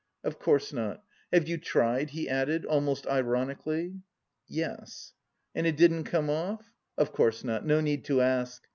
"Of course not. Have you tried?" he added almost ironically. "Yes." "And it didn't come off! Of course not! No need to ask."